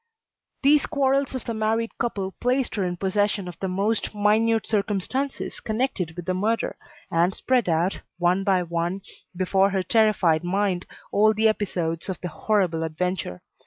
These quarrels of the married couple placed her in possession of the most minute circumstances connected with the murder, and spread out, one by one, before her terrified mind, all the episodes of the horrible adventure.